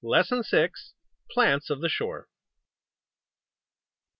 LESSON VI. PLANTS OF THE SHORE.